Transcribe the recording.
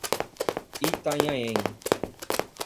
Itanhaém